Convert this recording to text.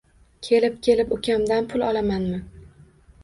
Kelib-kelib ukamdan pul olamanmi